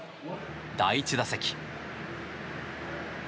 第１打席。